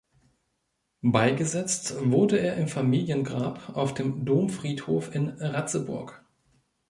Beigesetzt wurde er im Familiengrab auf dem Domfriedhof in Ratzeburg.